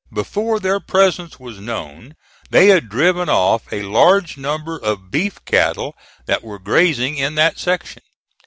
Before their presence was known, they had driven off a large number of beef cattle that were grazing in that section.